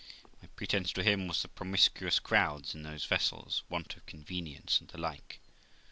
My pretence to him was the promiscuous crowds in those vessels, want of convenience, and the like.